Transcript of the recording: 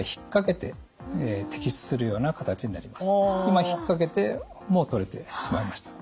今引っ掛けてもう取れてしまいました。